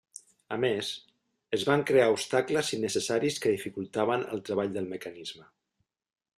A més, es van crear obstacles innecessaris que dificultaven el treball del mecanisme.